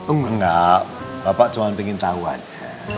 enggak bapak cuma pengen tahu aja